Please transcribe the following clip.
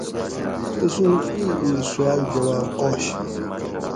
تسوں ایں ایں سوال جواب آش